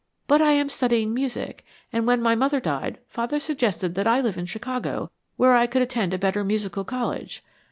"But I am studying music, and when my mother died, father suggested that I live in Chicago where I could attend a better musical college.